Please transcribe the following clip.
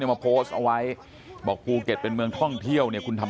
มาโพสต์เอาไว้บอกภูเก็ตเป็นเมืองท่องเที่ยวเนี่ยคุณทำ